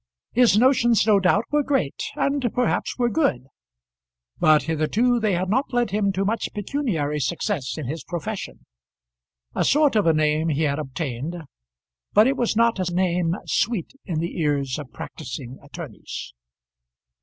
His notions no doubt were great, and perhaps were good; but hitherto they had not led him to much pecuniary success in his profession. A sort of a name he had obtained, but it was not a name sweet in the ears of practising attorneys.